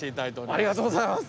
ありがとうございます。